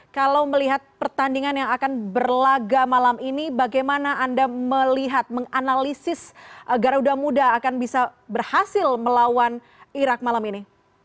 kalau melihat pertandingan yang akan berlaga malam ini bagaimana anda melihat menganalisis garuda muda akan bisa berhasil melawan irak malam ini